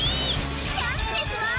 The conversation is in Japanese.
チャンスですわ！